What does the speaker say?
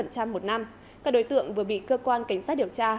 các đối tượng vừa bị cơ quan cảnh sát điều tra